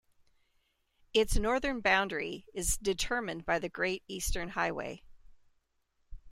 Its northern boundary is determined by the Great Eastern Highway.